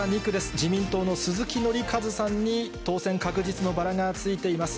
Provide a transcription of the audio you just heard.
自民党の鈴木憲和さんに当選確実のバラがついています。